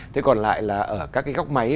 thế còn lại là ở các cái góc máy